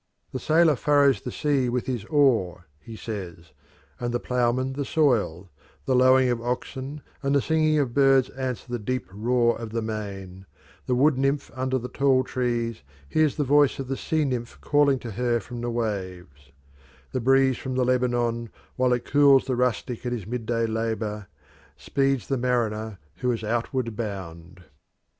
"The sailor furrows the sea with his oar," he says, "and the ploughman the soil; the lowing of oxen and the singing of birds answer the deep roar of the main; the wood nymph under the tall trees hears the voice of the sea nymph calling to her from the waves; the breeze from the Lebanon, while it cools the rustic at his midday labour, speeds the mariner who is outward bound."